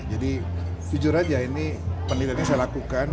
jadi jujur saja ini penelitiannya saya lakukan